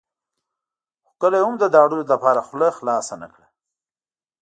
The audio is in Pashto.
خو کله یې هم د داړلو لپاره خوله خلاصه نه کړه.